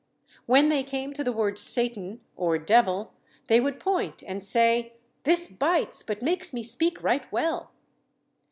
When they came to the word Satan, or devil, they would point, and say, 'This bites, but makes me speak right well.'